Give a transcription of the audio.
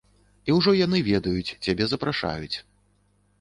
І ўжо яны ведаюць, цябе запрашаюць.